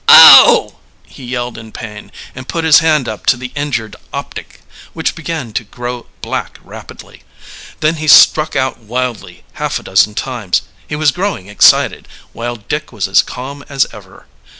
"Oh!" he yelled in pain, and put his hand up to the injured optic, which began to grow black rapidly. Then he struck out wildly half a dozen times. He was growing excited, while Dick was as calm as ever.